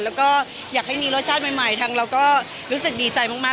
แล้วก็อยากให้มีรสชาติใหม่ทางเราก็รู้สึกดีใจมาก